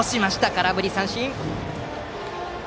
空振り三振。